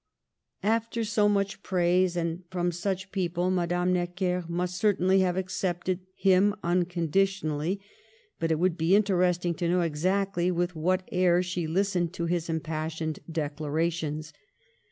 After so much praise, and from such peo ple, Madame Necker must certainly have accepted him unconditionally ; but it would be interesting to know exactly with what air she listened to his impassioned declarations.